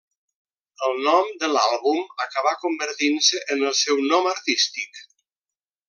El nom de l'àlbum acabà convertint-se en el seu nom artístic.